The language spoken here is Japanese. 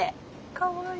かわいい。